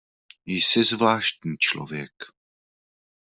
Jsi zvláštní člověk.